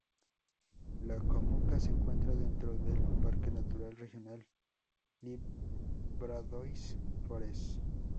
La comuna se encuentra dentro del Parque natural regional Livradois-Forez.